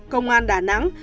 công an đà nẵng